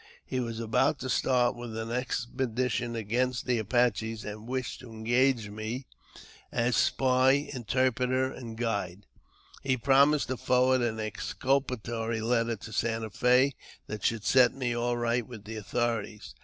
He was about to start with an expedition against the Apaches, and wished to engage me as spy, interpreter, and guide. He promised to forward an exculpatory letter to Santa Fe that should set me all right with the authorities.